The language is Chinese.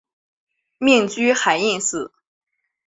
命居海印寺。